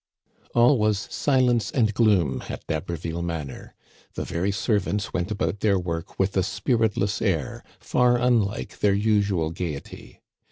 All was silence and gloom at D'Haberville Manor ; the very servants went about their work with a spiritless air, far unlike their usual gayety.